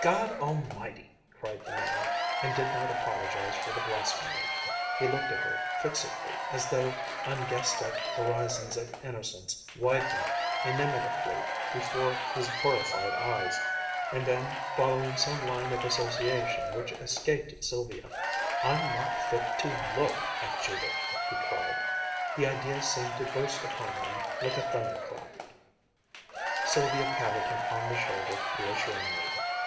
"God Almighty!" cried the man, and did not apologize for the blasphemy. He looked at her fixedly, as though unguessed at horizons of innocence widened inimitably before his horrified eyes. And then, following some line of association which escaped Sylvia, "I'm not fit to look at Judith!" he cried. The idea seemed to burst upon him like a thunder clap. Sylvia patted him on the shoulder reassuringly.